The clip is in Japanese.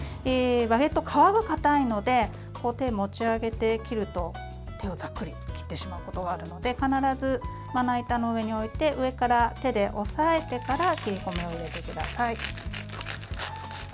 バゲット、皮が硬いので持ち上げて切ると手をざっくり切ってしまうことがあるので必ず、まな板の上に置いて上から手で押さえてから切り込みを入れてください。